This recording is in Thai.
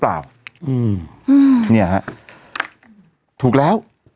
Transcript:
อืมเนี่ยฮะถูกแล้ว